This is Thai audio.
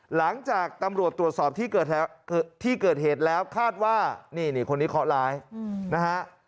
หลังจากตำรวจตรวจสอบที่เกิดเหตุแล้วคาดว่านี่คนนี้เคาะร้ายนะฮะ